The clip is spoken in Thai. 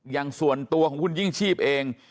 อย่างส่วนตัวของคุณยิ่งชีพเอง